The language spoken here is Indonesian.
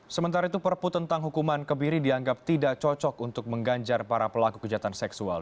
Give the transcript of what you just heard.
sementara itu perpu tentang hukuman kebiri dianggap tidak cocok untuk mengganjar para pelaku kejahatan seksual